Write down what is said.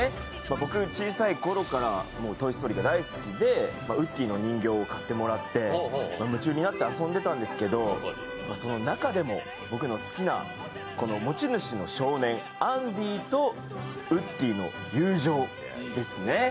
僕、小さいころから「トイ・ストーリー」が大好きで、ウッディの人形を買ってもらって夢中になって遊んでたんですけどその中でも僕の好きな持ち主の少年、アンディとウッディの友情ですね。